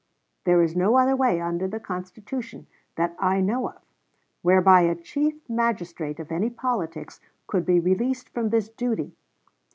There is no other way under the Constitution, that I know of, whereby a chief magistrate of any politics could be released from this duty.